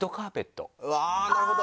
あぁなるほど！